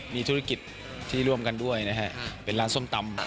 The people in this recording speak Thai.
มีธุรกิจที่ร่วมกันด้วยนะฮะเป็นร้านส้มตำ